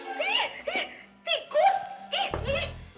ih ih tikus ih ih